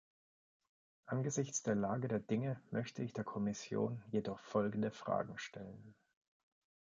Angesichts der Lage der Dinge möchte ich der Kommission jedoch folgende Fragen stellen.